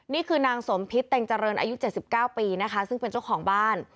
นี่คือนางสมพิษเต็งเจริญอายุ๗๙ปีนะคะซึ่งเป็นเจ้าของบ้าน